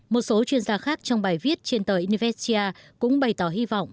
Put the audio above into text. một số chuyên gia khác trong bài viết trên tờ inivestia cũng bày tỏ hy vọng